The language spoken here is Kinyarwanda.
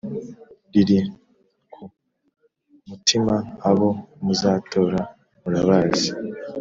riri ku mutima abo muzatora murabazi.